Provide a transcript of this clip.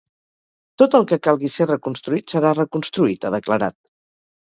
Tot el que calgui ser reconstruït, serà reconstruït, ha declarat.